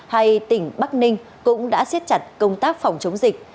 hay tỉnh bắc ninh cũng đã siết chặt công tác phòng chống dịch